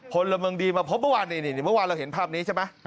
ผลเบิร์งดีมาพบเมื่อวานเห็นว่าเราเห็นภาพนี้ใช่มะ